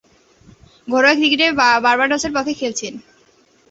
ঘরোয়া ক্রিকেটে বার্বাডোসের পক্ষে খেলছেন।